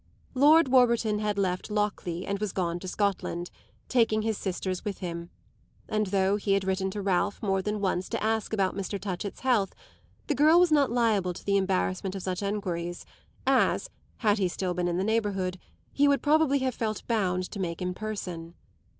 Lord Warburton had left Lockleigh and was gone to Scotland, taking his sisters with him; and though he had written to Ralph more than once to ask about Mr. Touchett's health the girl was not liable to the embarrassment of such enquiries as, had he still been in the neighbourhood, he would probably have felt bound to make in person.